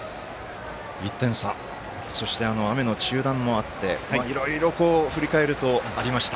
１点差、そして雨の中断もあっていろいろ、振り返るとありました